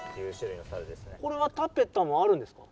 これはタペタムあるんですか？